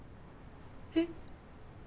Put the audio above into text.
えっ？